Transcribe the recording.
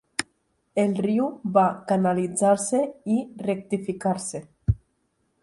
El riu va canalitzar-se i rectificar-se.